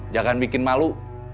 jangan bikin malu